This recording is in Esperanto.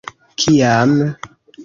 Kiam?